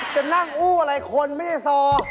จะนั่งอู้อะไรคนไม่ได้โซ